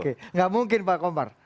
oke gak mungkin pak komar